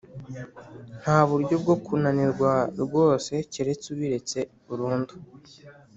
nta buryo bwo kunanirwa rwose keretse ubiretse burundu.